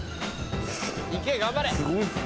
行け頑張れ！